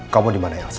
kau mau dimana elsa